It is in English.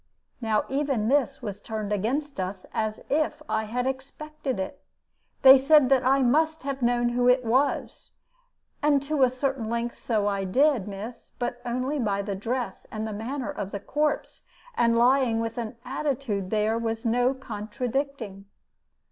Now even this was turned against us as if I had expected it. They said that I must have known who it was, and to a certain length so I did, miss, but only by the dress and the manner of the corpse, and lying with an attitude there was no contradicting.